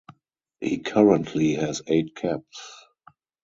He currently has eight caps.